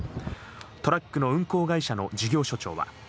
トラックの運行会社の事業所長は。